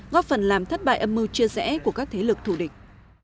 góp phần làm thất bại âm mưu chưa rẽ của các thế lực thủ địch